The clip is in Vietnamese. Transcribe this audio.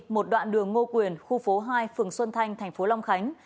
một đoạn đường ngô quyền khu phố hai phường xuân thanh thành phố long khánh